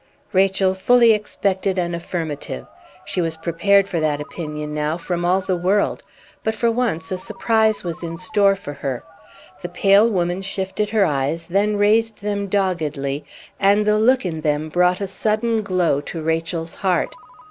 Rachel fully expected an affirmative. She was prepared for that opinion now from all the world; but for once a surprise was in store for her. The pale woman shifted her eyes, then raised them doggedly, and the look in them brought a sudden glow to Rachel's heart.